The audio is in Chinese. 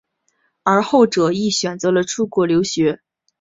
而后者亦选择了出国留学。